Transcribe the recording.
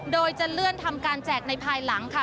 โดยจะเลื่อนทำการแจกในภายหลังค่ะ